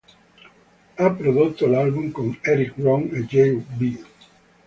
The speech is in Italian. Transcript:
Ha prodotto l'album con Erik Ron e Jay Vee.